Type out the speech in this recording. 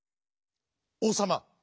「おうさま。